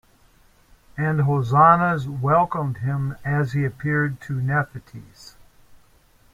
And hosannas welcomed him as he appeared to the Nephites.